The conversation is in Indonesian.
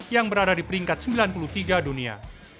yang berada di peringkat sembilan puluh tiga dunia